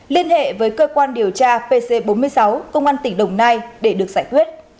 liên hệ với cơ quan điều tra pc bốn mươi sáu công an tỉnh đồng nai để được giải quyết